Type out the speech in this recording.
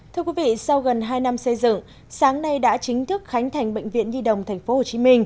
thưa quý vị sau gần hai năm xây dựng sáng nay đã chính thức khánh thành bệnh viện nhi đồng tp hcm